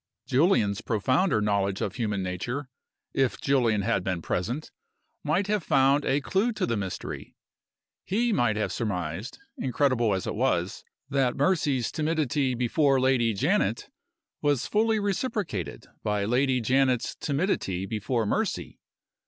Julian's profounder knowledge of human nature, if Julian had been present, might have found a clew to the mystery. He might have surmised (incredible as it was) that Mercy's timidity before Lady Janet was fully reciprocated by Lady Janet's timidity before Mercy.